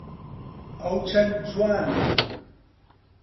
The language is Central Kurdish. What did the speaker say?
ئەو چەند جوانە!